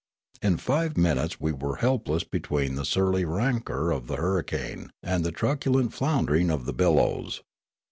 In five minutes we were helpless between the surly rancour of the hurri cane and the truculent floundering of the billows.